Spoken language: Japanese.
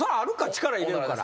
力入れるから。